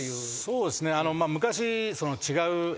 そうですね。